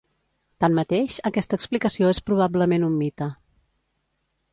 Tanmateix, aquesta explicació és probablement un mite.